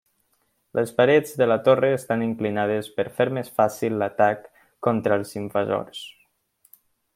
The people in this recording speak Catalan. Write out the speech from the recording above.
Les parets de la torre estan inclinades per fer més fàcil l'atac contra els invasors.